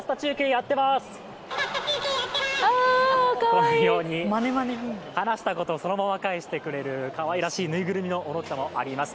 このように、話したことをそのまま返してくれるかわいらしい縫いぐるみのおもちゃもあります。